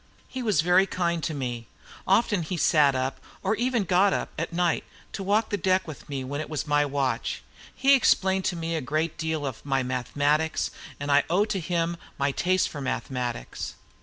He was very kind to me. Often he sat up, or even got up, at night, to walk the deck with me, when it was my watch. He explained to me a great deal of my mathematics, and I owe to him my taste for mathematics.